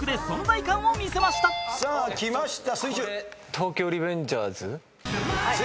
『東京リベンジャーズ』正解。